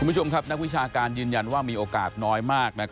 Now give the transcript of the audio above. คุณผู้ชมครับนักวิชาการยืนยันว่ามีโอกาสน้อยมาก